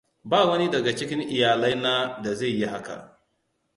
Ba wani daga cikin iyalaina da zai yi haka.